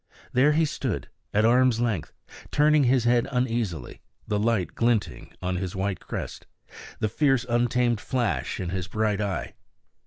There he stood, at arm's length, turning his head uneasily, the light glinting on his white crest, the fierce, untamed flash in his bright eye.